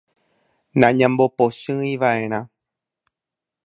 Nañambopochyiva'erã.